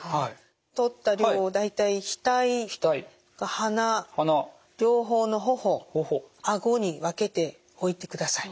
取った量を大体額鼻両方の頬顎に分けて置いてください。